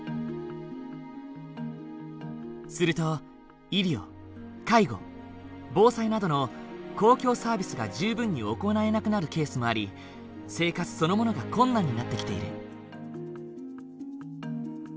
すると医療介護防災などの公共サービスが十分に行えなくなるケースもあり生活そのものが困難になってきている。